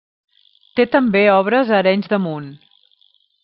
Té també obres a Arenys de Munt.